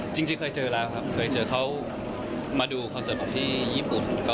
จริงเคยเจอแล้วครับเคยเจอเขามาดูคอนเสิร์ตที่ญี่ปุ่น